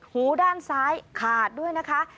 หูด้านซ้ายขาดด้วยนะคะ